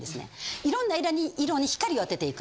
いろんな間に色に光を当てていく。